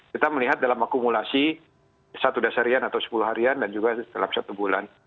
kita melihat dalam akumulasi satu dasarian atau sepuluh harian dan juga dalam satu bulan